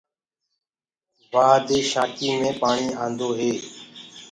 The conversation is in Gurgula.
وآه دي شآکينٚ مي پآڻي آندو هي۔